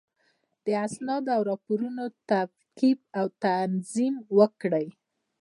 د اسنادو او راپورونو تفکیک او تنظیم وکړئ.